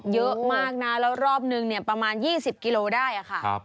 เยอะมากนะแล้วรอบหนึ่งประมาณ๒๐กิโลกรัมได้ค่ะ